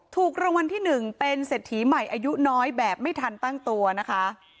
ถูกรางวัลที่๑เป็นเศรษฐีใหม่อายุน้อยแบบไม่ทันตั้งตัวนะคะ